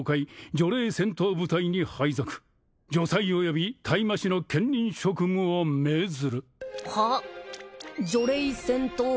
「除霊戦闘部隊に配属」「助祭および退魔士の兼任職務を命ずる」はっ？